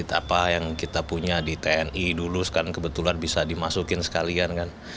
apa yang kita punya di tni dulu kan kebetulan bisa dimasukin sekalian kan